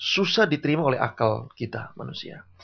susah diterima oleh akal kita manusia